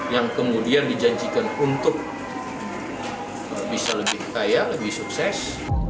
yang kemudian dijanjikan untuk bisa lebih kaya lebih sukses